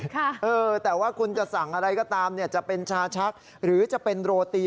ค่ะเออแต่ว่าคุณจะสั่งอะไรก็ตามเนี่ยจะเป็นชาชักหรือจะเป็นโรตี